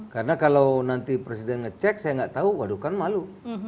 karena kalau nanti presiden ngecek saya nggak tahu waduh kan malu